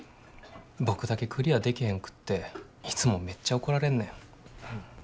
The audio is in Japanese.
僕だけクリアできへんくっていつもめっちゃ怒られんねん。